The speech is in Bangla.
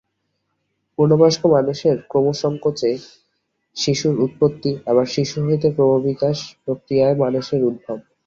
পূর্ণবয়স্ক মানুষের ক্রমসঙ্কোচে শিশুর উৎপত্তি, আবার শিশু হইতে ক্রমবিকাশ-প্রক্রিয়ায় মানুষের উদ্ভব।